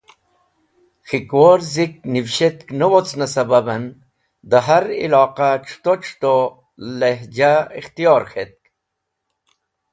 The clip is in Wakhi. K̃hikwor Zik Nivshetk ne wocne sababen de her Iloqah C̃huto C̃huto lehja Ikhtiyor k̃hetk.